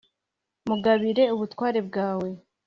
mugabire ubutware bwawe,